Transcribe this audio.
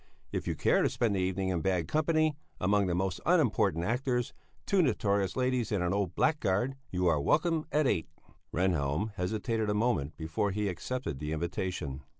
If you care to spend the evening in bad company, among the most unimportant actors, two notorious ladies and an old blackguard, you are welcome at eight." Rehnhjelm hesitated a moment before he accepted the invitation.